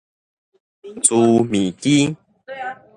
輜物機